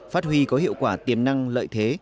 phát huy có hiệu quả tiềm năng lợi thế